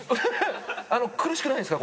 苦しくないですか？